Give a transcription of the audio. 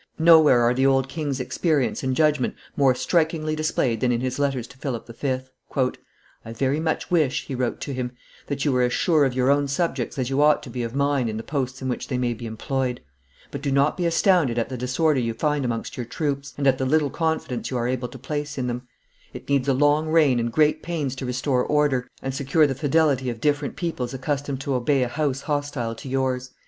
Nowhere are the old king's experience and judgment more strikingly displayed than in his letters to Philip V. "I very much wish," he wrote to him, "that you were as sure of your own subjects as you ought to be of mine in the posts in which they may be employed; but do not be astounded at the disorder you find amongst your troops, and at the little confidence you are able to place in them; it needs a long reign and great pains to restore order and secure the fidelity of different peoples accustomed to obey a house hostile to yours.